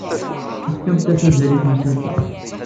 Tefkamt-as azal i temsalt-a.